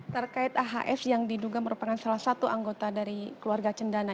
terkait ahs yang diduga merupakan salah satu anggota dari keluarga cendana